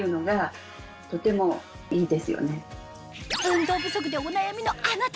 運動不足でお悩みのあなた